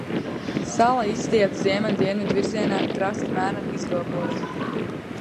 Sala izstiepta ziemeļu–dienvidu virzienā, krasti mēreni izroboti.